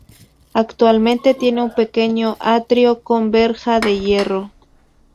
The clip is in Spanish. Actualmente tiene un pequeño atrio con verja de hierro.